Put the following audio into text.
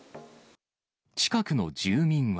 近くの住民は。